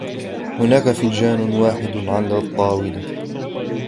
هناك فنجان واحد على الطاولة.